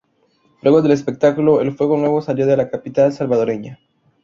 Luego del espectáculo, el Fuego Nuevo salió de la capital salvadoreña.